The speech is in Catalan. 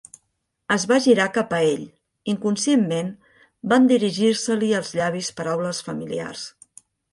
Es va girar cap a ell. Inconscientment, van dirigir-se-li als llavis paraules familiars.